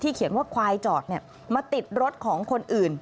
เขียนว่าควายจอดมาติดรถของคนอื่น